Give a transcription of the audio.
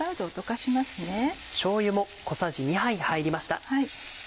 しょうゆも小さじ２杯入りました。